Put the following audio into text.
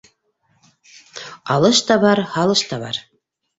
- Алыш та бар, һалыш та бар!